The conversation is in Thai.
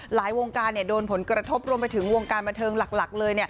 วงการโดนผลกระทบรวมไปถึงวงการบันเทิงหลักเลย